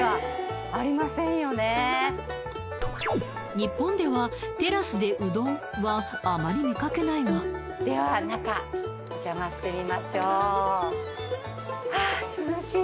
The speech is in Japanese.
日本でははあまり見かけないがでは中お邪魔してみましょうああ涼しい！